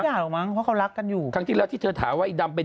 ด่าหรอกมั้งเพราะเขารักกันอยู่ครั้งที่แล้วที่เธอถามว่าไอ้ดำเป็น